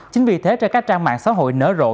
chính vì thế trên các trang mạng xã hội nở rộ